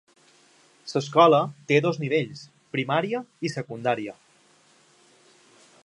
L'escola té dos nivells: primària i secundària.